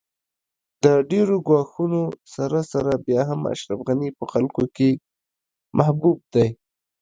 د ډېرو ګواښونو سره سره بیا هم اشرف غني په خلکو کې محبوب دی